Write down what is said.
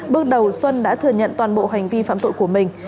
bước đầu xuân đã thừa nhận toàn bộ hành vi phạm tội của mình